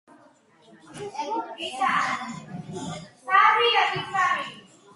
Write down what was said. ჯონ ფიჯერალდ კენედის სახელობის ცენტრი რჩეულ მოღვაწეებს აჯილდოებს.